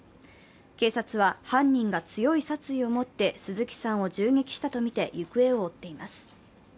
警察は犯人が強い殺意を持って鈴木さんを銃撃したとみて行方を追っています。